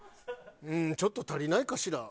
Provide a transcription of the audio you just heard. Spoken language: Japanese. うーんちょっと足りないかしら。